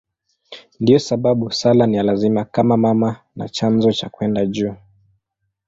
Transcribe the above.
Ndiyo sababu sala ni ya lazima kama mama na chanzo cha kwenda juu.